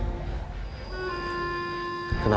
jadi aku mau ke rumah